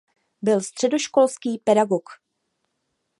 Byl středoškolský pedagog.